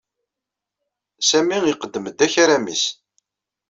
Sami iqeddem-d akaram-nnes.